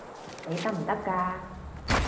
你得唔得㗎？